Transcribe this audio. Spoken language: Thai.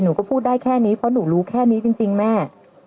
หนูก็พูดได้แค่นี้เพราะหนูรู้แค่นี้จริงแม่